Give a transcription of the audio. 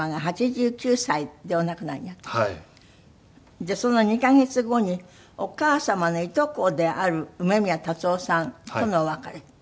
でその２カ月後にお母様のいとこである梅宮辰夫さんとのお別れって。